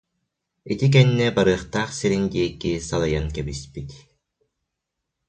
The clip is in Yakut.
Ити кэннэ барыахтаах сирин диэки салайан кэбиспит